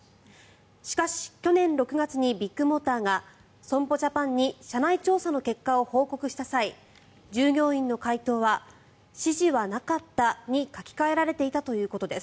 しかし、去年６月にビッグモーターが損保ジャパンに社内調査の結果を報告した際従業員の回答は指示はなかったに書き換えられていたということです。